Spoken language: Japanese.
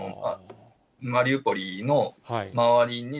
マリウポリの周りに、